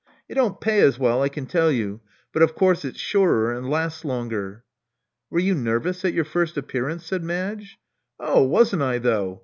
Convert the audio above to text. It don't pay as well, I can tell you; but of course it's surer and lasts longer. " Were you nervous at your first appearance?" said Madge. 0h, wawn't I though!